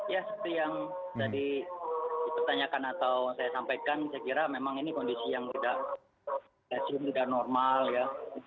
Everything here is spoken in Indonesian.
ya seperti yang tadi dipertanyakan atau saya sampaikan saya kira memang ini kondisi yang tidak normal ya